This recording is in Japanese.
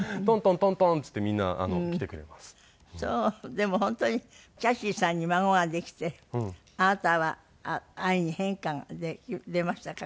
でも本当にキャシーさんに孫ができてあなたは愛に変化が出ましたか？